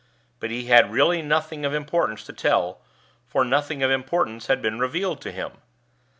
But he had really nothing of importance to tell, for nothing of importance had been revealed to him.